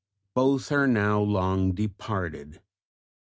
Both are now long departed.